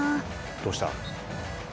どうした？